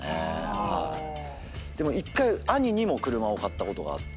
でも１回兄にも車を買ったことがあって。